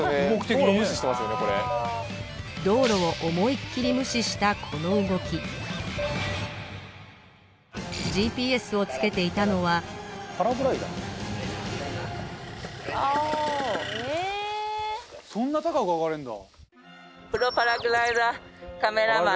道路を思いっきり無視したこの動きＧＰＳをつけていたのは・そんな高く上がれるんだ。